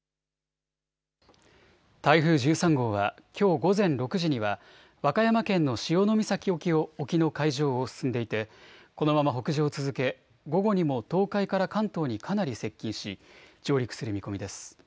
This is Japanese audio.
台風１３号はきょう午前６時には和歌山県の潮岬沖の海上を進んでいて、このまま北上を続け午後にも東海から関東にかなり接近し上陸する見込みです。